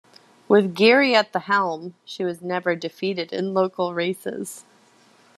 With Geary at the helm, she was never defeated in local races.